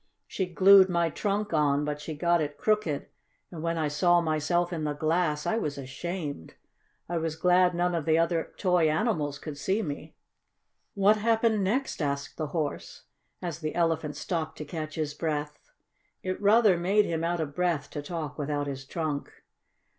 She glued my trunk on, but she got it crooked and when I saw myself in the glass I was ashamed! I was glad none of the other toy animals could see me." "What happened next?" asked the Horse, as the Elephant stopped to catch his breath. It rather made him out of breath to talk without his trunk.